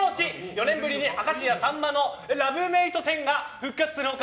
４年ぶりに「明石家さんまのラブメイト１０」が復活する他